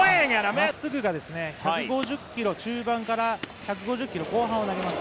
まっすぐが１５０キロ中盤から１５０キロ後半を投げます。